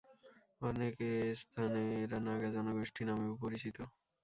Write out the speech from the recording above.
অনেকে স্থানে এরা নাগা জনগোষ্ঠী নামেও পরিচিত।